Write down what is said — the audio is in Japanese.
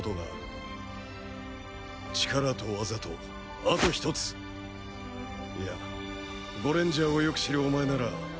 力と技とあと一ついやゴレンジャーをよく知るお前なら言うまでもないな。